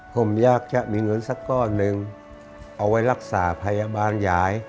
ผมอยากจะมีเงินสักก้อนหนึ่งเอาไว้รักษาพยาบาลยาย